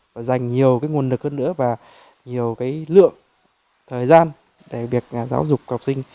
và dành nhiều nguồn lực hơn nữa và nhiều cái lượng thời gian để việc giáo dục học sinh